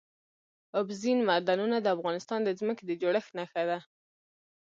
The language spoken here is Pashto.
اوبزین معدنونه د افغانستان د ځمکې د جوړښت نښه ده.